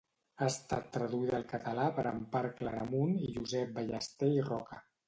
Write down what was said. Ha estat traduïda al català per Empar Claramunt i Josep Ballester i Roca.